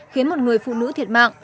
khiến một người phụ nữ thiệt mạng